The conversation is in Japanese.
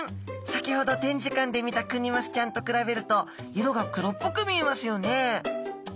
先ほど展示館で見たクニマスちゃんと比べると色が黒っぽく見えますよね。